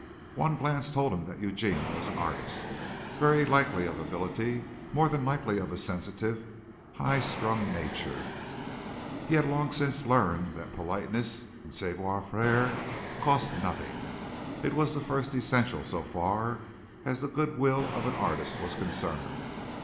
One glance told him that Eugene was an artist very likely of ability, more than likely of a sensitive, high strung nature. He had long since learned that politeness and savoir faire cost nothing. It was the first essential so far as the good will of an artist was concerned.